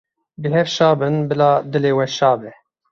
Bi hev şa bibin, bila dilê we şa be.